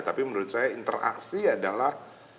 tapi menurut saya interaksi adalah